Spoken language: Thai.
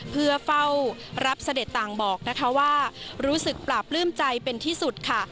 เพื่อเฝ้ารับเสด็จต่างบอกนะคะว่ารู้สึกปราบปลื้มใจเป็นที่สุดค่ะ